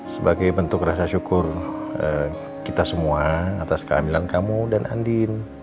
sebagai bentuk rasa syukur kita semua atas kehamilan kamu dan andin